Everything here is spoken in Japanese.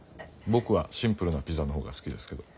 僕はシンプルなピザの方が好きですけど。